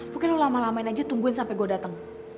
pokoknya lu lama lamain aja tungguin sampai gua datang